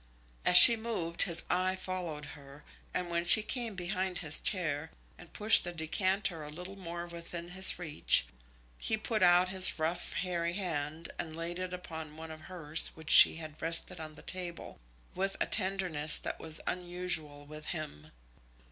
As she moved his eye followed her, and when she came behind his chair, and pushed the decanter a little more within his reach, he put out his rough, hairy hand, and laid it upon one of hers which she had rested on the table, with a tenderness that was unusual with him.